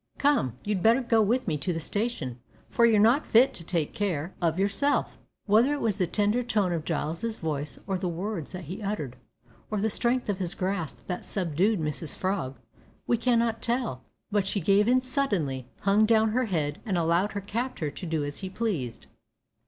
Come, you'd better go with me to the station, for you're not fit to take care of yourself." Whether it was the tender tone of Giles's voice, or the words that he uttered, or the strength of his grasp that subdued Mrs Frog, we cannot tell, but she gave in suddenly, hung down her head, and allowed her captor to do as he pleased.